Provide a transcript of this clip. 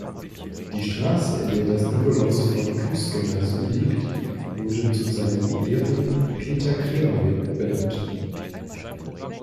Die Straße, in der das Nikolaus-von-Kues-Gymnasium liegt, wurde zu seinen Ehren Peter-Kremer-Weg benannt.